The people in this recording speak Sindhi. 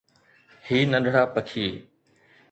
هي ننڍڙا پکي